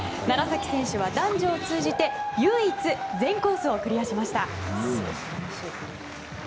楢崎選手は、男女を通じて唯一、全コースをクリアしました。